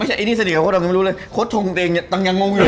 ไม่ใช่ไอ้นี่สนิทกับคดทงยังไม่รู้เลยคดทงตังยังงงอยู่